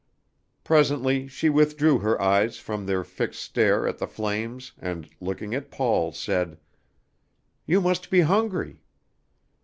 Presently she withdrew her eyes from their fixed stare at the flames, and, looking at Paul, said: "You must be hungry."